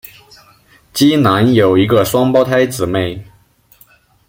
基南有一个双胞胎姊妹。